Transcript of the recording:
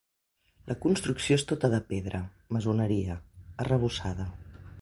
La construcció és tota de pedra –maçoneria– arrebossada.